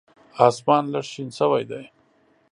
اسمان لږ شین شوی دی .